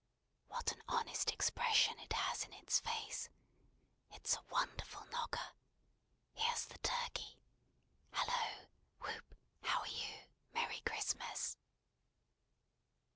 What an honest expression it has in its face! It's a wonderful knocker! Here's the Turkey! Hallo! Whoop! How are you! Merry Christmas!"